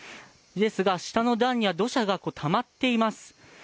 ですが、下の段には土砂がたまっています。